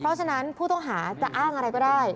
เพราะฉะนั้นผู้ต้องหาจะอ้างอะไรก็ได้